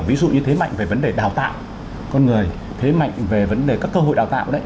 ví dụ như thế mạnh về vấn đề đào tạo con người thế mạnh về vấn đề các cơ hội đào tạo đấy